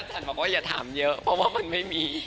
บอกว่าอย่าถามเยอะเพราะว่ามันไม่มี